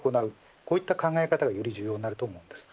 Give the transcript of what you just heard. こういった考え方がより重要になります。